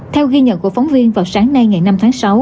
theo ghi nhận của phóng viên vào sáng nay ngày năm tháng sáu